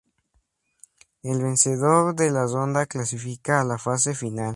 El vencedor de la ronda clasifica a la fase final.